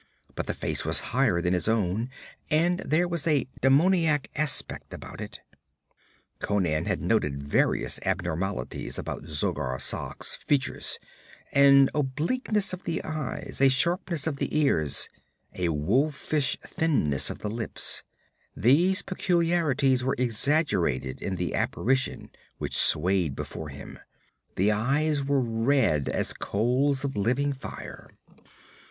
But the face was higher than his own and there was a demoniac aspect about it Conan had noted various abnormalities about Zogar Sag's features an obliqueness of the eyes, a sharpness of the ears, a wolfish thinness of the lips; these peculiarities were exaggerated in the apparition which swayed before him. The eyes were red as coals of living fire.